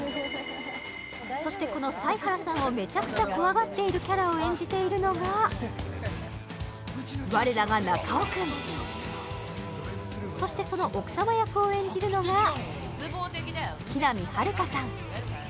そしてこのサイハラさんをめちゃくちゃ怖がっているキャラを演じているのが我らが中尾君そしてその奥様役を演じるのが木南晴夏さん